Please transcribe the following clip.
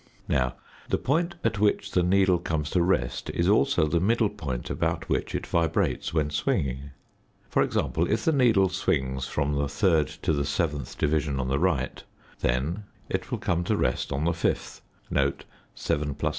Now the point at which the needle comes to rest is also the middle point about which it vibrates when swinging. For example, if the needle swings from the third to the seventh division on the right then [(7+3)/2] it will come to rest on the fifth.